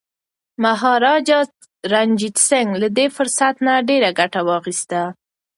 مهاراجا رنجیت سنګ له دې فرصت نه ډیره ګټه واخیسته.